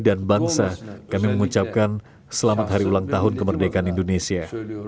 pada nama pribadi dan bangsa kami mengucapkan selamat hari ulang tahun kemerdekaan indonesia